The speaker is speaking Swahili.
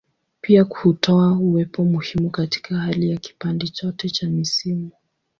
Pia hutoa uwepo muhimu katika hali ya kipande chote cha misimu.